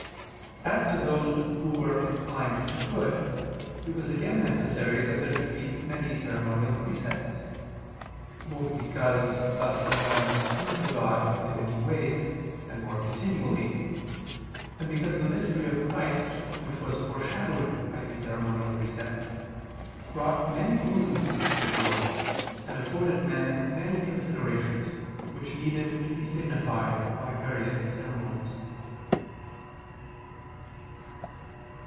As to those who were inclined to good, it was again necessary that there should be many ceremonial precepts; both because thus their mind turned to God in many ways, and more continually; and because the mystery of Christ, which was foreshadowed by these ceremonial precepts, brought many boons to the world, and afforded men many considerations, which needed to be signified by various ceremonies.